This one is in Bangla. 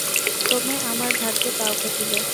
ক্রমে আমার ভাগ্যে তাও ঘটিল।